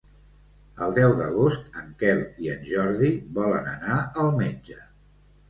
El deu d'agost en Quel i en Jordi volen anar al metge.